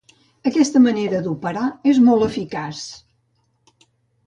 Aquesta manera d'operar és molt eficaç.